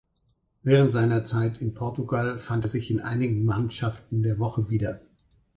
Während seiner Zeit in Portugal fand er sich in einigen Mannschaften der Woche wieder.